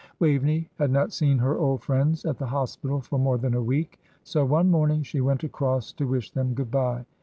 Waveney had not seen her old friends at the Hospital for more than a week, so one morning she went across to wish them good bye.